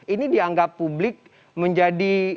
ini dianggap publik menjadi